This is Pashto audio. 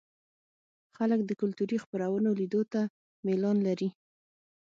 خلک د کلتوري خپرونو لیدو ته میلان لري.